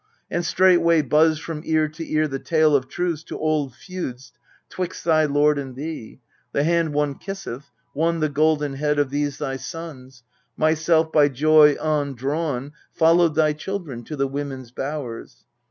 And straightway buzzed from ear to ear the tale Of truce to old feuds 'twixt thy lord and thee. The hand one kisseth, one the golden head Of those thy sons : myself by joy on drawn Followed thy children to the women's bowers.